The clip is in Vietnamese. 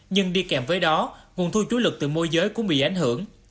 nhưng đi kèm với đó nguồn thu chú lực từ mua giới cũng bị ảnh hưởng